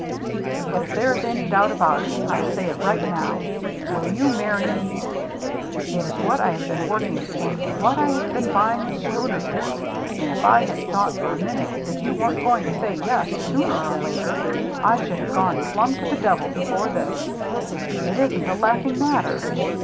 " But if there is any doubt about it, I say it right now. Will you marry me ? It is what I have been working for — what I have been buying the schooner for — and if I had thought for a minute that you weren't going to say yes sooner or later, I should have gone plumb to the devil before this. It isn't a laughing mat ter.